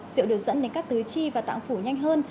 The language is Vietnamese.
rượu được dẫn đến các tứ chi và tạng phủ nhanh hơn